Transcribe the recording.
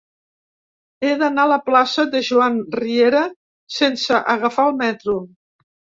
He d'anar a la plaça de Joan Riera sense agafar el metro.